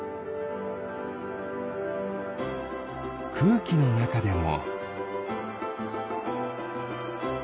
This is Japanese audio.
くうきのなかでも。